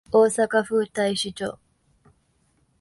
大阪府太子町